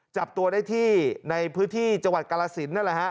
จับตัวได้ที่ในพื้นที่จังหวัดกล้าศิลป์